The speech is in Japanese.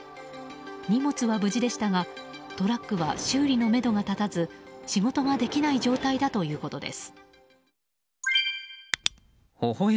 荷物は無事でしたがトラックは修理のめどが立たず仕事ができない状態だということです。